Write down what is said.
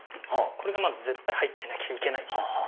これはまず絶対入ってなきゃいけないと。